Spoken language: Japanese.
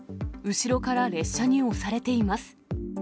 後ろから列車に押されています。